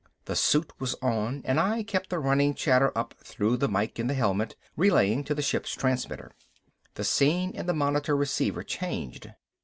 The suit was on, and I kept the running chatter up through the mike in the helmet, relaying to the ship's transmitter. The scene in the monitor receiver changed.